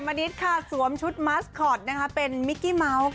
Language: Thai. แมนิตค่ะสวมชุดนะคะเป็นค่ะ